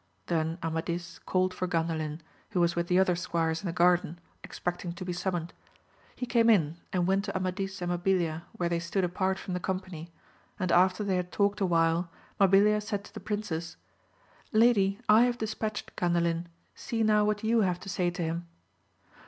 Then Ama^ dis called for Gandalin, who was with the other squires in the garden, expecting to be summoned. He came in and went to Amadis and Mabilia where they stood apart from the company, and after they had talked awhile Mabilia said to the princess. Lady, I have despatched Gandalin, see now what you have to say to him.